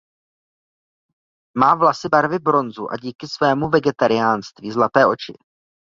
Má vlasy barvy bronzu a díky svému „vegetariánství“ zlaté oči.